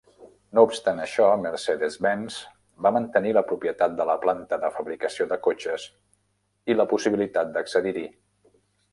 No obstant això, Mercedes-Benz va mantenir la propietat de la planta de fabricació de cotxes i la possibilitat d'accedir-hi.